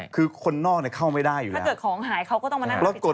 คือคนนอกเข้าไม่ได้อยู่แล้วถ้าเกิดของหายเขาก็ต้องมานั่งรถกด